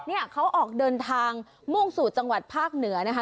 เนี่ยเขาออกเดินทางมุ่งสู่จังหวัดภาคเหนือนะคะ